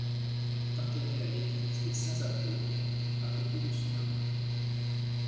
Elle est enterrée à l’Eglise des Saints-Apôtres, à côté de son mari.